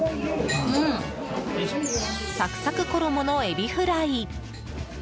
サクサク衣のエビフライ。